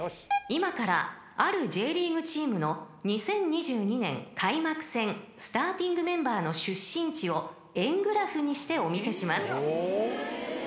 ［今からあるＪリーグチームの２０２２年開幕戦スターティングメンバーの出身地を円グラフにしてお見せします］